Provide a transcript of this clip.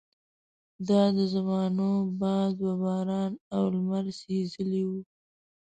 دا د زمانو باد وباران او لمر سېزلي وو.